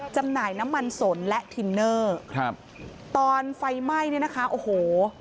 จำหน่ายน้ำมันสนและทินเนอร์ครับตอนไฟไหม้เนี่ยนะคะโอ้โห